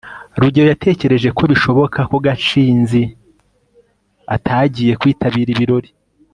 rugeyo yatekereje ko bishoboka ko gashinzi atagiye kwitabira ibirori